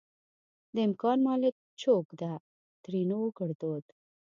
دا مکان مالک چوک ده؛ ترينو ګړدود